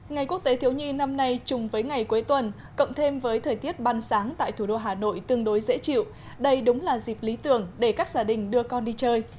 ngày quốc tế thiếu nhi năm nay chung với ngày cuối tuần cộng thêm với thời tiết ban sáng tại thủ đô hà nội tương đối dễ chịu đây đúng là dịp lý tưởng để các gia đình đưa con đi chơi